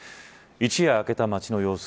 一夜明けた街の様子。